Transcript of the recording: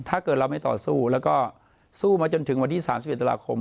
ถ้าเกิดเราไม่ต่อสู้แล้วก็สู้มาจนถึงวันที่๓๑ตุลาคม